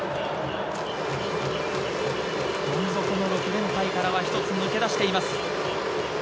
どん底の６連敗からは一つ抜け出しています。